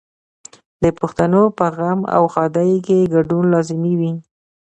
د پښتنو په غم او ښادۍ کې ګډون لازمي وي.